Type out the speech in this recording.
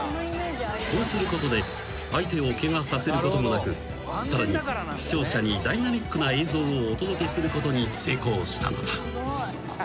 ［そうすることで相手をケガさせることもなくさらに視聴者にダイナミックな映像をお届けすることに成功したのだ］